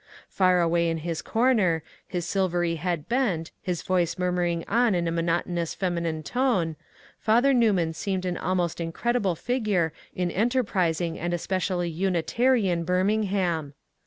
Far away in his comer, his silvery head bent, his voice murmuring on in a monotonous feminine tone, Father Newman seemed an almost incredible figure in enterprising and especially Unitarian Birmingham.